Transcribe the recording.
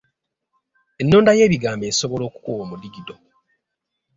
Ennonda y’ebigambo esobola okuwa omudigido